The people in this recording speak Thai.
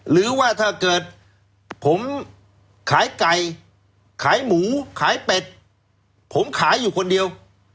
หรือว่าถ้าเกิดผมขายไก่ขายหมูขายเป็ดผมขายอยู่คนเดียว